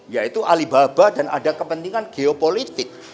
yaitu alibaba dan ada kepentingan geopolitik